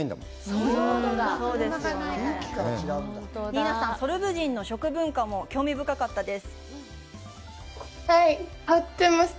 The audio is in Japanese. ニーナさん、ソルブ人の食文化も興味深かったです。